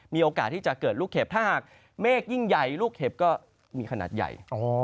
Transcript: มีโอกาสที่จะเกิดลูกเห็บถ้าหากเมฆยิ่งใหญ่ลูกเห็บก็มีขนาดใหญ่